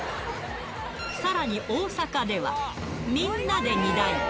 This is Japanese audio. さらに大阪では、みんなで荷台。